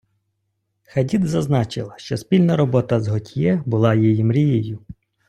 Хадід зазначила, що спільна робота з Готьє була її мрією.